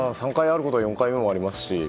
３回あることは４回目もあると思いますし。